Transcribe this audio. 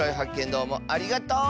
どうもありがとう！